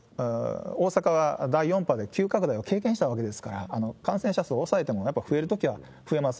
大阪は第４波で急拡大を経験したわけですから、感染者数を抑えても、やっぱり増えるときは増えます。